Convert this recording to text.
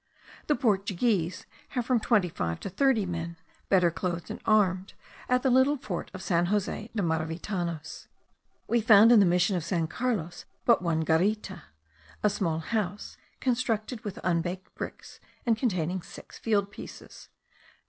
The Portuguese have from twenty five to thirty men, better clothed and armed, at the little fort of San Jose de Maravitanos. We found in the mission of San Carlos but one garita,* a square house, constructed with unbaked bricks, and containing six field pieces.